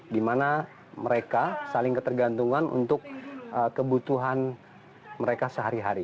dimana mereka saling ketergantungan untuk kebutuhan mereka sehari hari